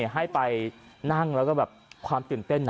ให้ไปนั่งแล้วก็แบบความตื่นเต้น